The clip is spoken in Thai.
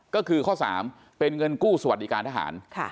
ก็คือข้อ๓เป็นเงินกู้สวัสดิการทหาร